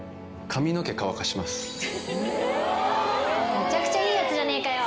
めちゃくちゃいいやつじゃねえかよ。